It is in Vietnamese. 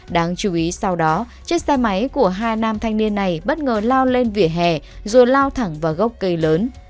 đáng chú ý sau đó chiếc xe máy của hai nam thanh niên này bất ngờ lao lên vỉa hè rồi lao thẳng vào gốc cây lớn